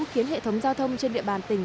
khiến hệ thống giao thông trên địa bàn tỉnh